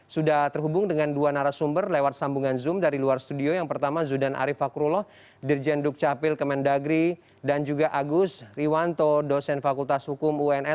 sudah terhubung dengan dua narasumber lewat sambungan zoom dari luar studio yang pertama zudan arief fakrullah dirjen dukcapil kemendagri dan juga agus riwanto dosen fakultas hukum uns